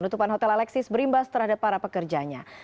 penutupan hotel alexis berimbas terhadap para pekerjanya